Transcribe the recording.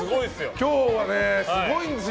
今日すごいですよ。